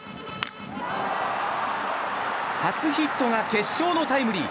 初ヒットが決勝のタイムリー！